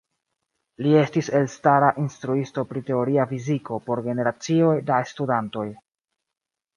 Li estis elstara instruisto pri teoria fiziko por generacioj da studantoj.